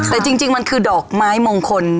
แต่จริงมันคือดอกไม้มงคล